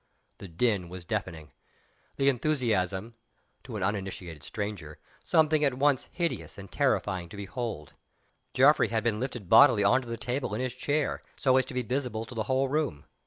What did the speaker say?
The din was deafening; the enthusiasm (to an uninitiated stranger) something at once hideous and terrifying to behold. Geoffrey had been lifted bodily on to the table, in his chair, so as to be visible to the whole room.